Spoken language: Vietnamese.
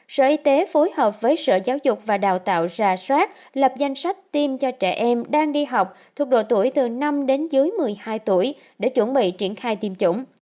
sở y tế phối hợp với sở giáo dục và đào tạo ra soát lập danh sách tiêm cho trẻ em đang đi học thuộc độ tuổi từ năm đến dưới một mươi hai tuổi để chuẩn bị triển khai tiêm chủng